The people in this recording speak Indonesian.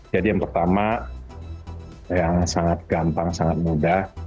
jadi yang pertama yang sangat gampang sangat mudah